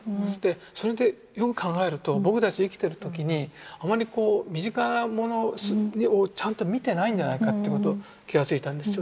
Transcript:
それってよく考えると僕たち生きてる時にあまりこう身近なものをちゃんと見てないんじゃないかってこと気が付いたんですよね。